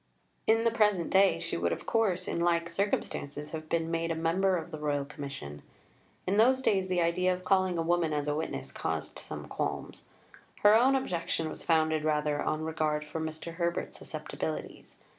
In the present day she would of course, in like circumstances, have been made a member of the Royal Commission. In those days the idea of calling a woman as a witness caused some qualms. Her own objection was founded rather on regard for Mr. Herbert's susceptibilities.